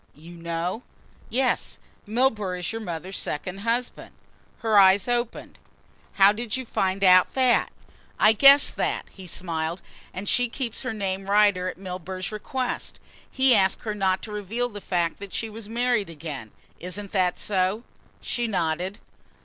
"You know?" "Yes, Milburgh is your mother's second husband." Her eyes opened. "How did you find out that?" "I guessed that," he smiled, "and she keeps her name Rider at Milburgh's request. He asked her not to reveal the fact that she was married again. Isn't that so?" She nodded.